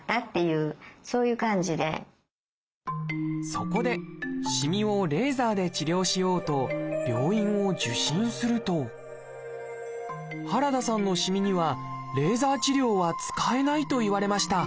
そこでしみをレーザーで治療しようと病院を受診すると原田さんのしみにはレーザー治療は使えないと言われました。